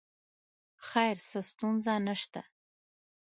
خیر څه ستونزه نه شته.